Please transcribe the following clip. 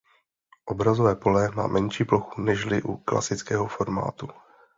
Obrazové pole má menší plochu nežli u klasického formátu.